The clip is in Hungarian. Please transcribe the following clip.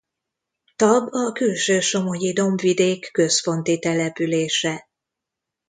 Tab a külső-somogyi dombvidék központi települése.